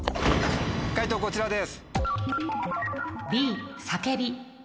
解答こちらです。